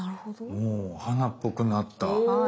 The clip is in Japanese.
おお花っぽくなった。